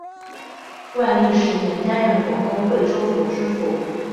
万历十年担任广东惠州府知府。